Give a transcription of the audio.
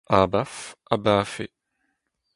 abaf, abaf eo